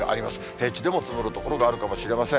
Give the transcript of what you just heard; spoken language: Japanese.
平地でも積もる所があるかもしれません。